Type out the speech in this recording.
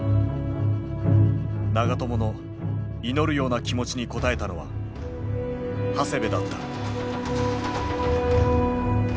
長友の祈るような気持ちに応えたのは長谷部だった。